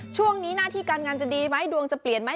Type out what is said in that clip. ช่วงนี้หน้าที่การงานจะดีไหมดวงจะเปลี่ยนไหม